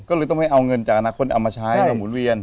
ก็เลยต้องให้เอาเงินจากอนาคตเอามาใช้มาหมุนเวียน